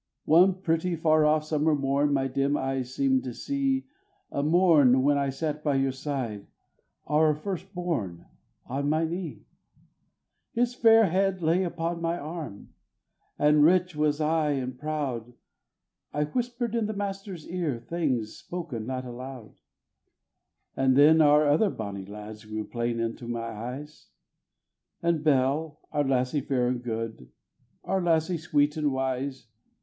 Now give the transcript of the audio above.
One pretty far off summer morn my dim eyes seemed to see, A morn when I sat by your side, our first born on my knee; His fair head lay upon my arm, and rich was I, and proud, I whispered in the Master's ear things spoken not aloud; And then our other bonnie lads grew plain unto my eyes, And Belle our lassie fair and good, our lassie sweet and wise.